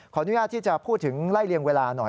อนุญาตที่จะพูดถึงไล่เลี่ยงเวลาหน่อย